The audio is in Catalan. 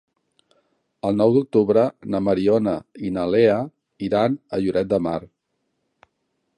El nou d'octubre na Mariona i na Lea iran a Lloret de Mar.